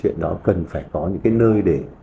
chuyện đó cần phải có những cái nơi để